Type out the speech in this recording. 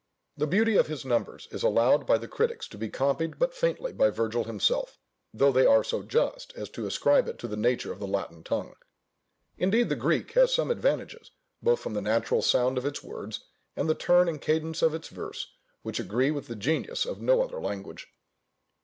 The beauty of his numbers is allowed by the critics to be copied but faintly by Virgil himself, though they are so just as to ascribe it to the nature of the Latin tongue: indeed the Greek has some advantages both from the natural sound of its words, and the turn and cadence of its verse, which agree with the genius of no other language.